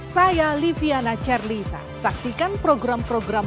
saya liviana charlisa saksikan program program